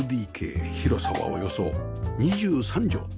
広さはおよそ２３畳